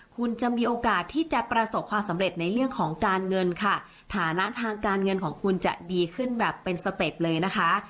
คุณจะมีโอกาสที่จะประสบความสำเร็จในเรื่องของการเงินค่ะฐานะทางการเงินของคุณจะดีขึ้นแบบเป็นสเต็ปเลยนะคะ